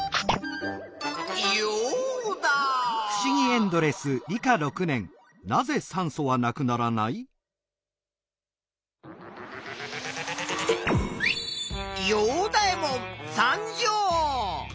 ヨウダ！ヨウダエモン参上！